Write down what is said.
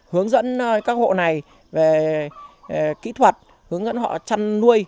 hướng dẫn các hộ này về kỹ thuật hướng dẫn họ chăn nuôi